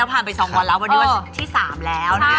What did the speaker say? ผ่านไป๒วันแล้ววันนี้วันที่๓แล้วนะคะ